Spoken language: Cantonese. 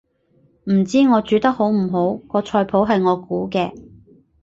唔知我煮得好唔好，個菜譜係我估嘅